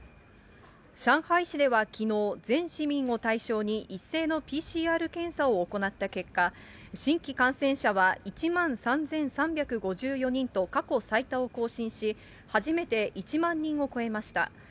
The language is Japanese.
上海市ではきのう、全市民を対象に一斉のＰＣＲ検査を行った結果、新規感染者は１万３３５４人と過去最多を更新し、初めて１万人を超えました。